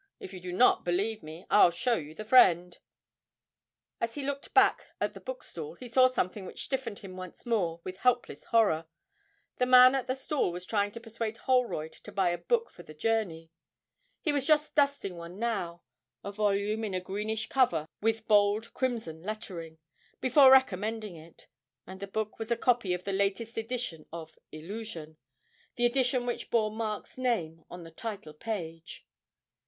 If you do not believe me, I'll show you the friend.' As he looked back at the bookstall he saw something which stiffened him once more with helpless horror: the man at the stall was trying to persuade Holroyd to buy a book for the journey he was just dusting one now, a volume in a greenish cover with bold crimson lettering, before recommending it; and the book was a copy of the latest edition of 'Illusion,' the edition which bore Mark's name on the title page!